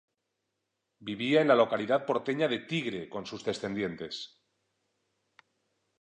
Vivía en la localidad porteña de Tigre con sus descendientes.